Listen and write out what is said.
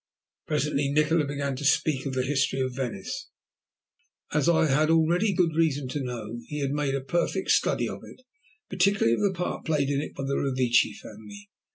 Presently Nikola began to speak of the history of Venice. As I had already had good reason to know, he had made a perfect study of it, particularly of the part played in it by the Revecce family.